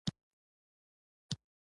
مذهبي زغم د ټولنې همکارۍ سبب دی.